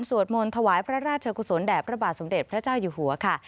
สวดมนต์ถวายพระราชกุศลแด่พระบาทสมเด็จพระเจ้าอยู่หัวค่ะ